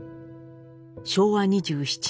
昭和２７年。